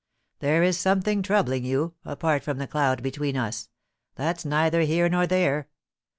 There is something troubling you, apart from the cloud between us — that's neither here nor there.